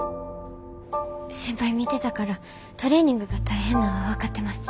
先輩見てたからトレーニングが大変なんは分かってます。